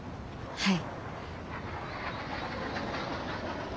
はい。